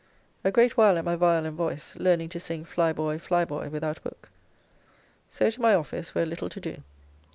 A great while at my vial and voice, learning to sing "Fly boy, fly boy," without book. So to my office, where little to do.